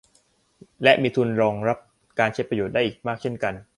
และที่มีทุนรองรังก็ใช้ประโยชน์ได้อีกมากเช่นกัน